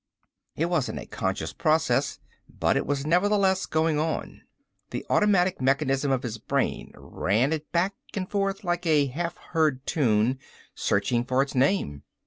It wasn't a conscious process, but it was nevertheless going on. The automatic mechanism of his brain ran it back and forth like a half heard tune, searching for its name.